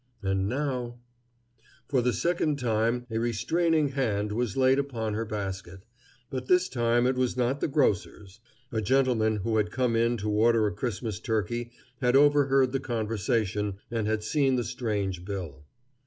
And now For the second time a restraining hand was laid upon her basket; but this time it was not the grocer's. A gentleman who had come in to order a Christmas turkey had overheard the conversation, and had seen the strange bill.